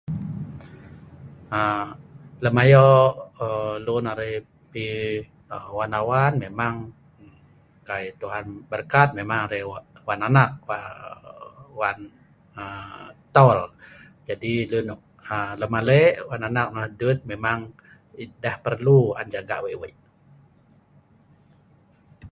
Um lem ayo' um lun arai pi um wan awan, memang kai Tuhan berkat memang arai wan anak um wan um tol. Jadi lun nok um lemale' wan anak ma' nonoh dut memang deh perlu an jaga wei' wei'